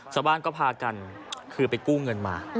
ชาวบ้านก็พากันคือไปกู้เงินมา